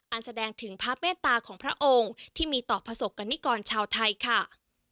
แสดงถึงพระเมตตาของพระองค์ที่มีต่อประสบกรณิกรชาวไทยค่ะ